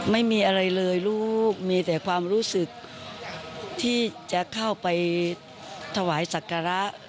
ไม่มีอะไรเลยรู้มีแต่ความรู้สึกที่จะเข้าไปถวายศักระ